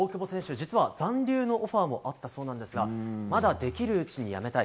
実は残留のオファーもあったそうなんですがまだできるうちに辞めたい。